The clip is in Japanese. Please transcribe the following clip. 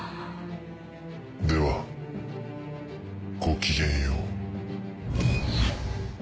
ではごきげんよう。